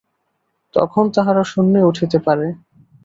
তখন তাহারা শূন্যে উঠিতে পারে।